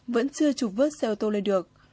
vẫn chưa chụp vớt xe ô tô lên được